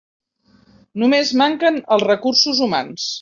Només manquen els recursos humans.